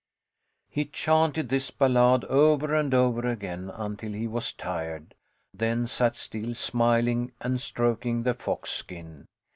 He chanted this ballad over and over again until he was tired, then sat still, smiling and stroking the fox skin.